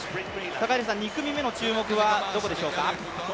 ２組目の注目はどこでしょうか。